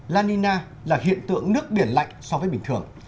la nina là hiện tượng nước biển lạnh so với bình thường